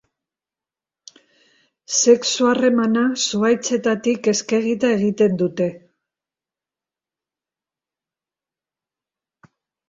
Sexu harremana zuhaitzetatik eskegita egiten dute.